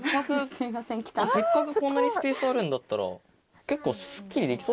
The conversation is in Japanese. せっかくこんなにスペースあるんだったら。